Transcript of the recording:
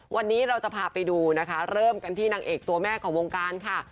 วันนี้เราจะพาไปดูนะคะเริ่มกันที่นางเอกตัวแม่ของวงการค่ะ